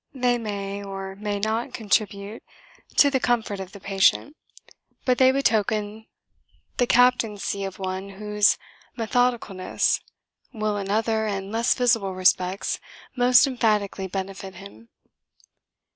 They may or may not contribute to the comfort of the patient, but they betoken the captaincy of one whose methodicalness will in other and less visible respects most emphatically benefit him.